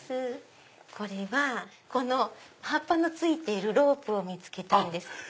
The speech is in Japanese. これはこの葉っぱの付いているロープを見つけたんです。